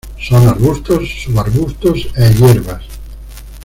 Son arbustos, subarbustos e hierbas.